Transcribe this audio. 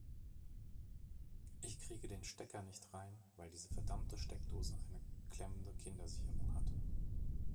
Ich kriege den Stecker nicht rein, weil diese verdammte Steckdose eine klemmende Kindersicherung hat.